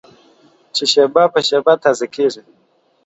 چې شېبه په شېبه تازه کېږي.